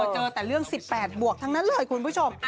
เจอแต่เรื่อง๑๘บวกทั้งนั้นเลยคุณผู้ชม